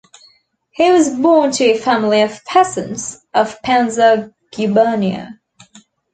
He was born to a family of peasants of Penza gubernia.